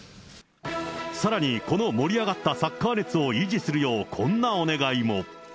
さらに、この盛り上がったサッカー熱を維持するよう、こんなお願いも。